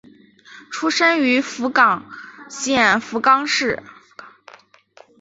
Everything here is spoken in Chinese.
出身于福冈县福冈市。